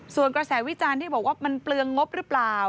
ส่วนกระแสวิจารณ์ที่บอกว่ามันเปลืองงบหรือเปล่า